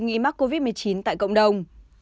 nghỉ mắc covid một mươi chín tại cộng đồng